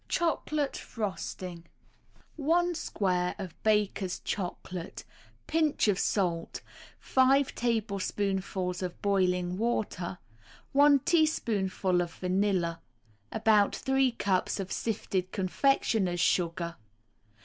CHOCOLATE FROSTING 1 square of Baker's Chocolate, Pinch of salt, 5 tablespoonfuls of boiling water, 1 teaspoonful of vanilla, About three cups of sifted confectioners' sugar.